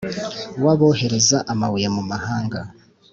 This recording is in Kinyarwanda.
w abohereza amabuye mu mahanga